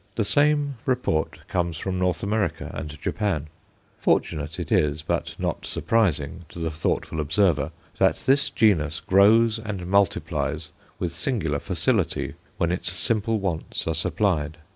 The same report comes from North America and Japan. Fortunate it is, but not surprising to the thoughtful observer, that this genus grows and multiplies with singular facility when its simple wants are supplied.